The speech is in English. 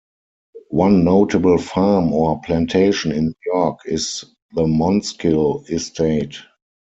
One notable farm or "plantation" in New York is the Montskill Estate.